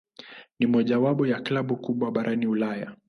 Ni mojawapo ya klabu kubwa barani Ulaya.